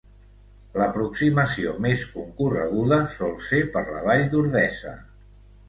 L'aproximació més concorreguda sol ser per la vall d'Ordesa.